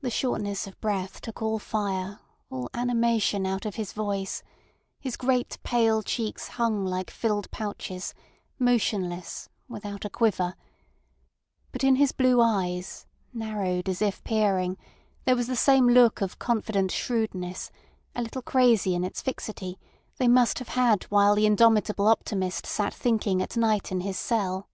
The shortness of breath took all fire, all animation out of his voice; his great, pale cheeks hung like filled pouches, motionless, without a quiver; but in his blue eyes, narrowed as if peering, there was the same look of confident shrewdness, a little crazy in its fixity, they must have had while the indomitable optimist sat thinking at night in his cell.